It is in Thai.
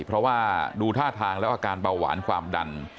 เพราะว่าดูท่าทางแล้วอาการเบาหวานความดัน